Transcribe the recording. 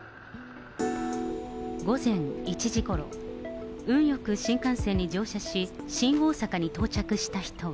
午前１時ごろ、運よく新幹線に乗車し、新大阪に到着した人は。